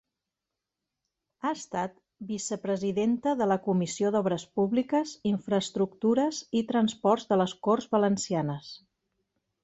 Ha estat vicepresidenta de la Comissió d'Obres Públiques, Infraestructures i Transports de les Corts Valencianes.